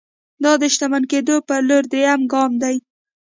دا د شتمن کېدو پر لور درېيم ګام دی.